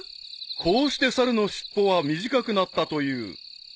［こうして猿の尻尾は短くなったという］